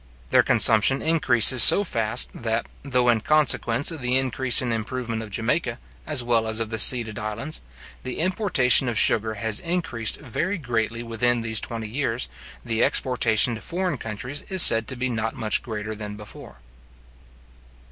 Their consumption increases so fast, that, though in consequence of the increasing improvement of Jamaica, as well as of the ceded islands, the importation of sugar has increased very greatly within these twenty years, the exportation to foreign countries is said to be not much greater than before.